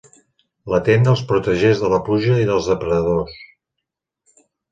La tenda els protegeix de la pluja i dels depredadors.